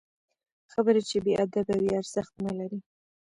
خبرې چې بې ادبه وي، ارزښت نلري